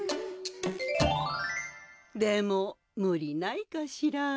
でも無理ないかしら。